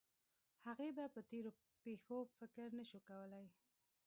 هغې به په تېرو پېښو فکر نه شو کولی